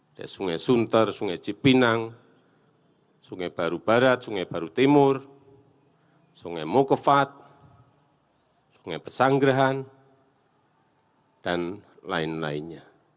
ada sungai sunter sungai cipinang sungai baru barat sungai baru timur sungai mokevat sungai pesanggerahan dan lain lainnya